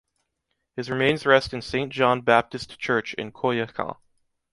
His remains rest in St John Baptist Church in Coyoacán.